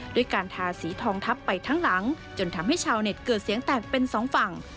ด้วยการทาสีทองทับไปทั้งหลังจนทำให้ชาวเน็ตเกิดเสียงแตกเป็นสองฝั่ง